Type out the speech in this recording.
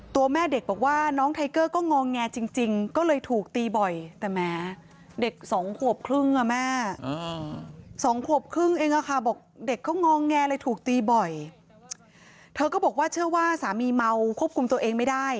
ตัวแม่เด็กบอกว่า